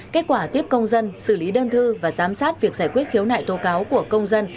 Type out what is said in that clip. kết quả tiếp công dân xử lý đơn thư và giám sát việc giải quyết khiếu nại tố cáo của công dân